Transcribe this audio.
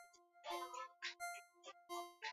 chui duma fisi Wanyama hawa walizuia watu